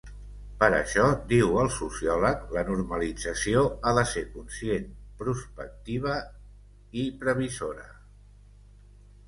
Per això, diu el sociòleg, la normalització ha de ser conscient, prospectiva i previsora.